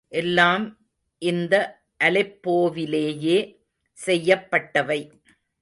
எல்லாம் இந்த அலெப்போவிலேயே செய்யப்பட்டவை.